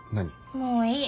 もういい。